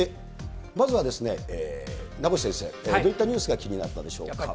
まずは、名越先生、どういったニュースが気になったでしょうか。